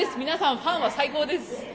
皆さんファンは最高です。